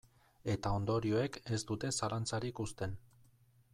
Eta ondorioek ez dute zalantzarik uzten.